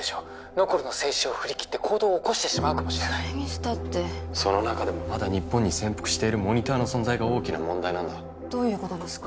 ノコルの制止を振り切って行動を起こしてしまうかもしれないそれにしたってその中でもまだ日本に潜伏しているモニターの存在が大きな問題なんだどういうことですか？